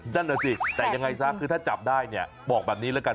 นั่นน่ะสิแต่ยังไงซะคือถ้าจับได้เนี่ยบอกแบบนี้แล้วกัน